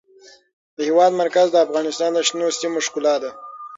د هېواد مرکز د افغانستان د شنو سیمو ښکلا ده.